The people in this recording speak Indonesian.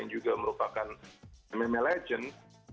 yang juga merupakan memimpin legend